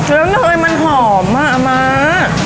แล้วเนยมันหอมมากมาก